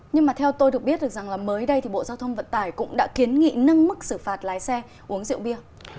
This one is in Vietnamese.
nhưng mà theo tôi được biết được rằng là mới đây thì bộ giao thông vận tải cũng đã kiến nghị nâng mức xử phạt lái xe uống rượu bia